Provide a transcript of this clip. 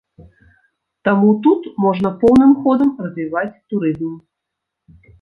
Таму тут можна поўным ходам развіваць турызм.